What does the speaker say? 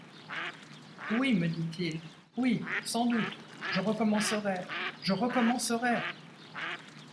Oui ! me dit-il, oui… sans doute… je recommencerai… je recommencerai !…